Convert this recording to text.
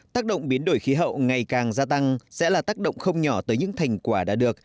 tác động biến đổi khí hậu ngày càng gia tăng sẽ là tác động không nhỏ tới những thành quả đã được